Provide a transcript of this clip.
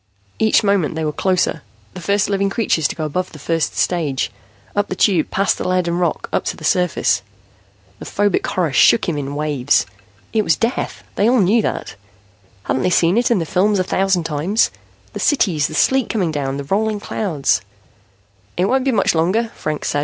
Each moment they were closer, the first living creatures to go above the first stage, up the Tube past the lead and rock, up to the surface. The phobic horror shook him in waves. It was death; they all knew that. Hadn't they seen it in the films a thousand times? The cities, the sleet coming down, the rolling clouds "It won't be much longer," Franks said.